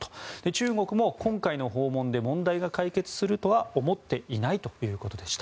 中国も今回の訪問で問題が解決するとは思っていないということでした。